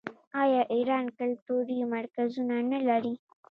آیا ایران کلتوري مرکزونه نلري؟